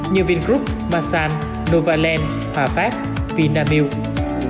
như vingroup masan novaland hòa pháp vinamilk